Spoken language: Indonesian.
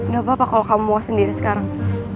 gak apa apa kalau kamu mau sendiri sekarang